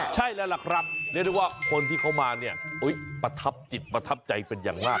ใช่แล้วล่ะครับเรียกได้ว่าคนที่เขามาเนี่ยประทับจิตประทับใจเป็นอย่างมาก